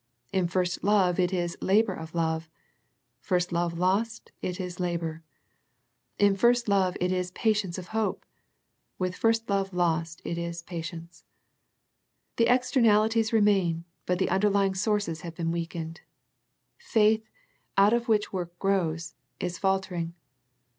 In first love it is " labour of love." First love lost, it is " labour." In first love it is " pa tience of hope." With first love lost it is " pa tience." The externalities remain, but the un derlying sources have been weakened. Faith, out of which work grows, is faltering.